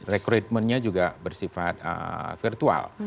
recruitmentnya juga bersifat virtual